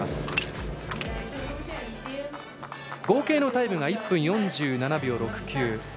合計のタイムが１分４６秒７９。